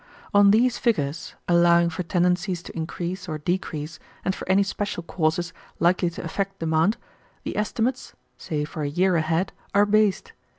On these figures, allowing for tendencies to increase or decrease and for any special causes likely to affect demand, the estimates, say for a year ahead, are based.